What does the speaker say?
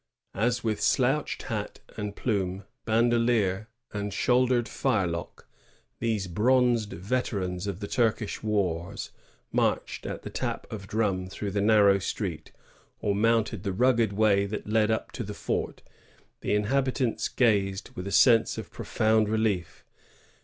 As with slouched hat and plume, bandoleer, and shouldered firelock, these bronzed veterans of the Turkish wars marched at the tap of drum through the narrow street, or mounted the rugged way that led up to the fort, the inhabitants gazed with a sense of profound relief.